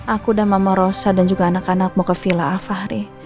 aku dan mama rosa dan juga anak anak mau ke villa al fahri